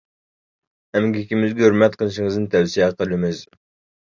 ئەمگىكىمىزگە ھۆرمەت قىلىشىڭىزنى تەۋسىيە قىلىمىز.